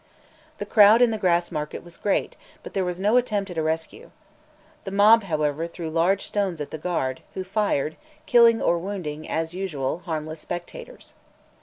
The crowd in the Grassmarket was great, but there was no attempt at a rescue. The mob, however, threw large stones at the Guard, who fired, killing or wounding, as usual, harmless spectators.